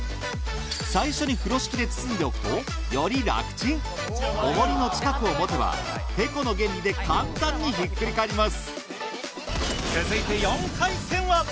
最初に風呂敷で包んでおくとより楽ちん重りの近くを持てばてこの原理で簡単にひっくり返ります